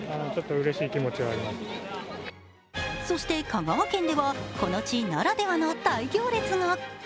そして香川県では、この地ならではの大行列が。